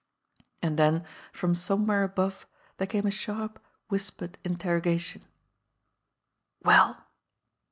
And then from somewhere above there came a sharp, whispered interrogation : "Well?"